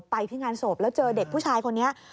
ไปที่งานศพแล้วเจอเด็กผู้ชายคนนี้